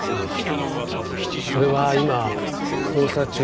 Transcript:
それは今捜査中です。